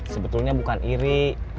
sebetulnya bukan iri